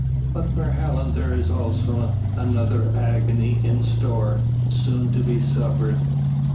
But for Helen there is also another agony in store, soon to be suffered.